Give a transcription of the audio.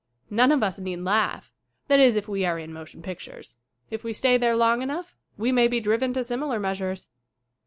None of us need laugh ; that is if we are in motion pictures. If we stay there long enough we mav be driven to similar measures.